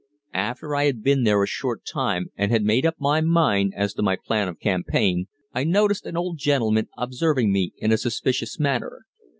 After I had been there a short time and had made up my mind as to my plan of campaign, I noticed an old gentleman observing me in a suspicious manner.